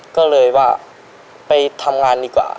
ก็เลยว่าไปทำงานดีกว่า